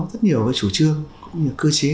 rất nhiều chủ trương cơ chế